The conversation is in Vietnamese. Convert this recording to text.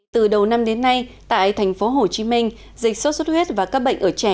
từ đầu năm đến nay tại thành phố hồ chí minh dịch sốt xuất huyết và các bệnh ở trẻ